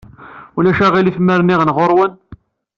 Ulac aɣilif ma rniɣ-n ɣer-wen?